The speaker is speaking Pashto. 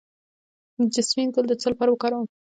د جیسمین ګل د څه لپاره وکاروم؟